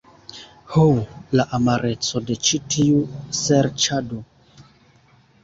Ho, la amareco de ĉi tiu serĉado.